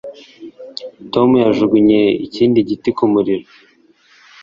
Tom yajugunye ikindi giti ku muriro